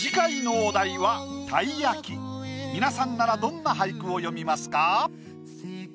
皆さんならどんな俳句を詠みますか？